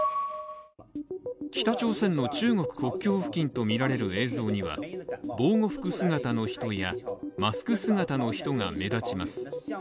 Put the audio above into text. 北朝鮮の中国国境付近とみられる映像には防護服姿の人やマスク姿の人が目立ちます。